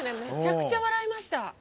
めちゃくちゃ笑いました。